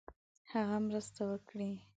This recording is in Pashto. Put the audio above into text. هغه مرسته وکړي.